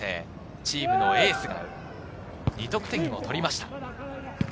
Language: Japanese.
チームのエースが２得点を取りました。